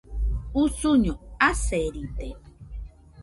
usuño aseride